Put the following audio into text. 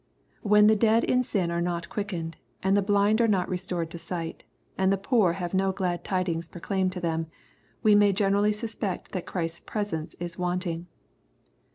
When the dead in sin are not quickened, and the blind are not restored to sight, and the poor have no glad tidings proclaimed to them, we may generally sus pect that Christ's presence is wanting.